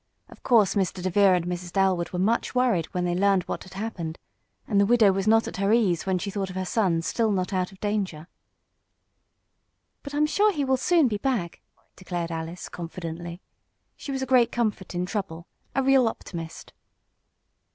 Of course Mr. DeVere and Mrs. Dalwood were much worried when they learned what had happened, and the widow was not at her ease when she thought of her son still not out of danger. "But I'm sure he will soon be back," declared Alice, confidently. She was a great comfort in trouble a real optimist.